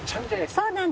そうなんです。